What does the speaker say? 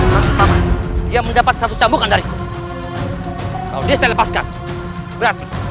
langsung paman dia mendapat satu cambukan dari aku kalau dia saya lepaskan berarti